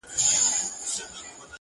د ځوانيمرگي ښکلا زور- په سړي خوله لگوي-